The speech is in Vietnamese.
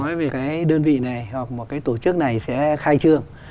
nói về cái đơn vị này hoặc một cái tổ chức này sẽ khai trương